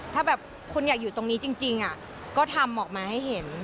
ถ้าแบบคุณอยากอยู่ตรงนี้จริงก็ทำออกมาให้เห็น